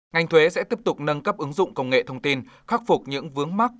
ngành thuế sẽ tiếp tục nâng cấp ứng dụng công nghệ thông tin khắc phục những vướng mắt